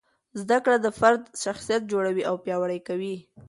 زده کړه د فرد شخصیت جوړوي او پیاوړی کوي.